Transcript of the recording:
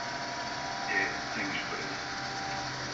É sem esperança.